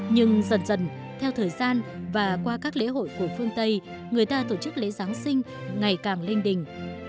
nhưng dần dần theo thời gian và qua các lễ hội của phương tây người ta tổ chức lễ giáng sinh ngày càng linh đình